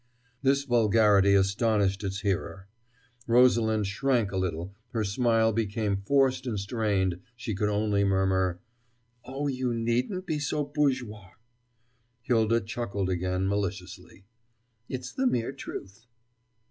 This vulgarity astonished its hearer. Rosalind shrank a little; her smile became forced and strained; she could only murmur: "Oh, you needn't be so bourgeoise." Hylda chuckled again maliciously. "It's the mere truth."